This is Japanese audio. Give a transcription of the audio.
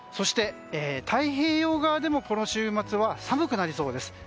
太平洋側でもこの週末は寒くなりそうです。